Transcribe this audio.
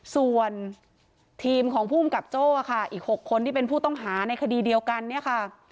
ส่วนทีมของภูมิกับโจ้ค่ะอีก๖คนที่เป็นผู้ต้องหาในคดีเดียวกันเนี่ยค่ะ